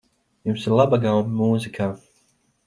Jums ir laba gaume mūzikā.